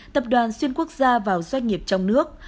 tập đoàn xuyên quốc gia vào doanh nghiệp trong nước